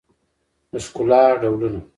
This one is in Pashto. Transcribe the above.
د ښکلا ډولونه